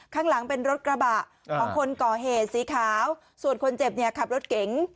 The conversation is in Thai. ข้างหลังเป็นรถกระบะของคนก่อเหตุสีขาวส่วนคนเจ็บเนี่ยขับรถเก๋ง